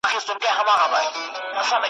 ستا بچي به هم رنګین وي هم ښاغلي .